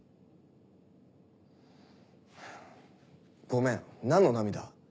ごめん何の涙？